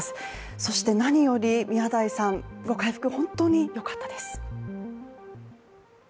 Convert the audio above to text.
そして何より宮台さんの回復、本当によかったです。